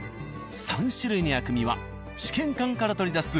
３種類の薬味は試験管から取り出す